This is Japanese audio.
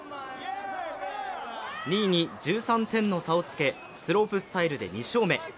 ２位に１３点の差をつけ、スロープスタイルで２勝目。